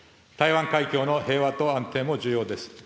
台湾海峡の平和と安定も重要です。